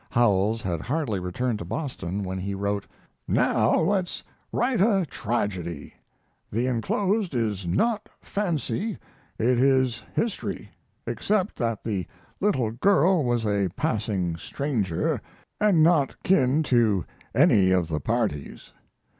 Howells had hardly returned to Boston when he wrote: Now let's write a tragedy. The inclosed is not fancy, it is history; except that the little girl was a passing stranger, and not kin to any of the parties.